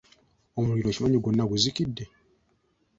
Omuliro okimanyi nti gwonna guzikidde?